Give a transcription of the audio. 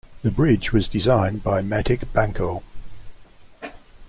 The bridge was designed by Matic Banko.